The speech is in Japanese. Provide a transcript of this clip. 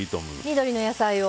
緑の野菜を。